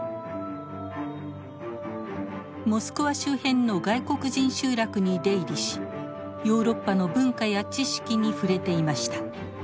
モスクワ周辺の外国人集落に出入りしヨーロッパの文化や知識に触れていました。